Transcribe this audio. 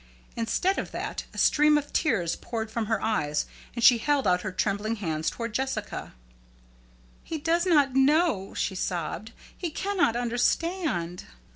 Instead of that, a stream of tears poured from her eyes, and she held out her trembling hands toward Jessica. "He does not know," she sobbed. "He cannot understand."